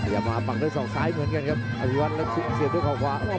อย่ามาปักด้วยศอกซ้ายเหมือนกันครับอภิวัตแล้วเสียบด้วยเขาขวา